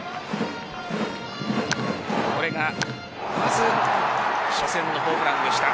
これが、まず初戦のホームランでした。